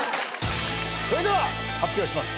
それでは発表します。